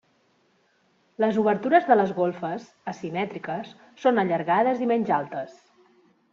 Les obertures de les golfes, asimètriques, són allargades i menys altes.